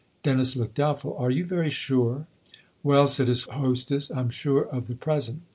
Dennis looked doubtful. " Are you very sure ?"" Well/' said his hostess, " I'm sure of the pre sent.